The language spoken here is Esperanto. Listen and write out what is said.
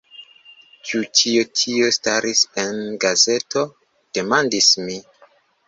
Ĉu cio tio staris en gazeto? demandis mi.